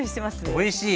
おいしい！